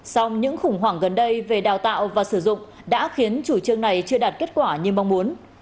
song những khủng hoảng gần đây về đào tạo và sử dụng đã khiến chủ trương này chưa đạt kết quả như mong muốn